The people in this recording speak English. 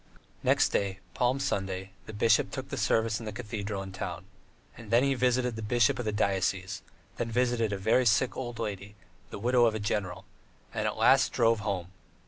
II Next day, Palm Sunday, the bishop took the service in the cathedral in the town, then he visited the bishop of the diocese, then visited a very sick old lady, the widow of a general, and at last drove home.